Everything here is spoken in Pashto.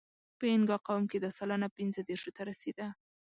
په اینګا قوم کې دا سلنه پینځهدېرشو ته رسېده.